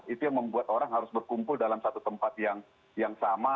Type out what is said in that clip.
itu yang membuat orang harus berkumpul dalam satu tempat yang sama